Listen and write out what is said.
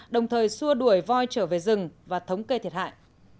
đồng thời xua đuổi voi trở về rừng và thống kê thiệt hại